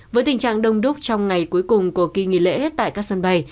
với tình trạng đông đúc trong ngày cuối cùng của kỳ nghỉ lễ tại các sân bay